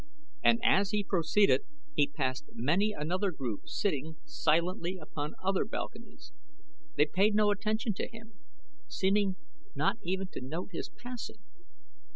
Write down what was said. And as he proceeded he passed many another group sitting silently upon other balconies. They paid no attention to him, seeming not even to note his passing.